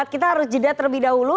kita harus jeda terlebih dahulu